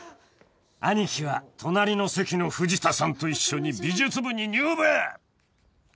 ［アニキは隣の席の藤田さんと一緒に美術部に入部！］